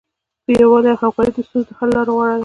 یووالی او همکاري د ستونزو د حل غوره لاره ده.